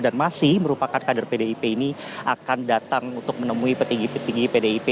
dan masih merupakan kader pdip ini akan datang untuk menemui petinggi petinggi pdip